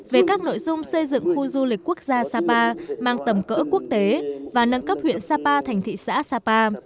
về các nội dung xây dựng khu du lịch quốc gia sapa mang tầm cỡ quốc tế và nâng cấp huyện sapa thành thị xã sapa